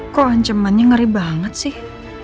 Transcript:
kok ancamannya ngeri banget sih